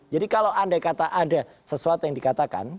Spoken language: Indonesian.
jadi kalau andai kata ada sesuatu yang dikatakan